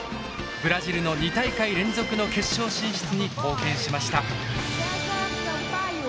ブラジルの２大会連続の決勝進出に貢献しました。